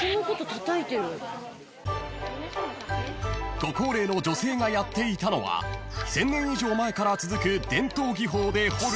［ご高齢の女性がやっていたのは１，０００年以上前から続く伝統技法で彫る］